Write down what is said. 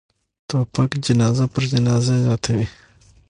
توپک جنازه پر جنازه زیاتوي.